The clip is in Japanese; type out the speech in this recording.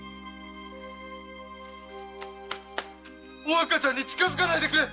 お若ちゃんに近づかないでくれ！